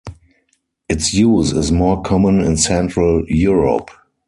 Its use is more common in Central Europe.